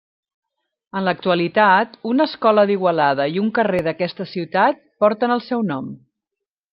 En l'actualitat, una escola d'Igualada i un carrer d'aquesta ciutat porten el seu nom.